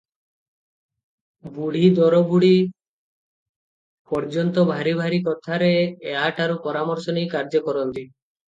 ବୁଢ଼ୀ ଦରବୁଢ଼ୀ, ପର୍ଯ୍ୟନ୍ତ ଭାରି ଭାରି କଥାରେ ଏହାଠାରୁ ପରାମର୍ଶ ନେଇ କାର୍ଯ୍ୟ କରନ୍ତି ।